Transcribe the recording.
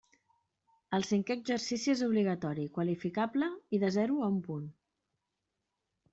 El cinquè exercici és obligatori i qualificable i de zero a un punt.